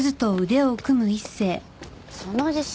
その自信